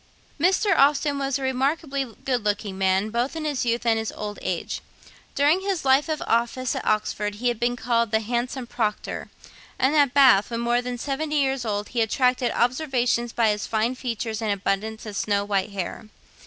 Mr. Austen was a remarkably good looking man, both in his youth and his old age. During his year of office at Oxford he had been called the 'handsome Proctor;' and at Bath, when more than seventy years old, he attracted observation by his fine features and abundance of snow white hair.